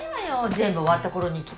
全部終わったころに来て。